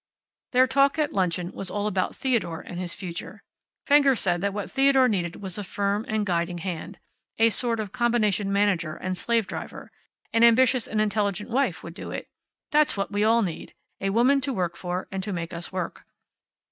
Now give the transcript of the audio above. Their talk at luncheon was all about Theodore and his future. Fenger said that what Theodore needed was a firm and guiding hand. "A sort of combination manager and slave driver. An ambitious and intelligent wife would do it. That's what we all need. A woman to work for, and to make us work."